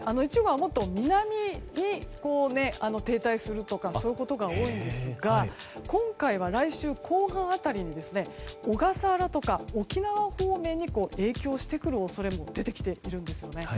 １号はもっと南に停滞するとかそういうことが多いんですが今回は来週後半辺りに小笠原とか沖縄方面に影響してくる恐れも出てきているんです。